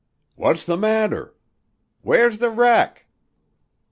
"What's the matter?" "Where's the wreck?"